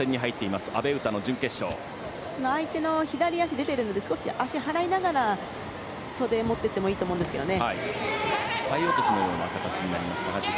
相手の左足が出ているので足を払いながら袖を持っていってもいいですかね。